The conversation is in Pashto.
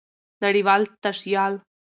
نړۍوال تشيال